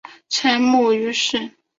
前母俞氏。